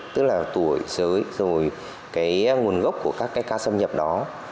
tức là tuổi giới rồi cái nguồn gốc của các cái ca xâm nhập đó